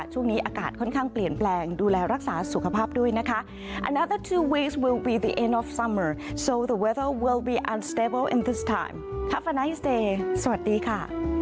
ช่วงนี้อากาศค่อนข้างเปลี่ยนแปลงดูแลรักษาสุขภาพด้วยนะคะ